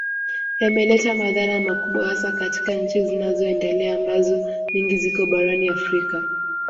Yameleta madhara makubwa hasa katika nchi zinazoendelea ambazo nyingi ziko barani Afrika